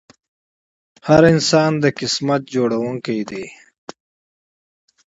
هر انسان د برخلیک جوړونکی دی.